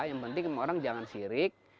yang penting orang jangan sirik